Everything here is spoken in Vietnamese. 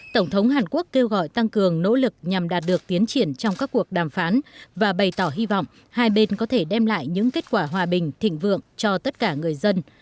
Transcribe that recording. tổng thống hàn quốc kêu gọi tăng cường nỗ lực nhằm đạt được tiến triển trong các cuộc đàm phán và bày tỏ hy vọng hai bên có thể đem lại những kết quả hòa bình thịnh vượng cho tất cả người dân